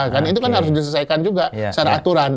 kan itu kan harus diselesaikan juga secara aturan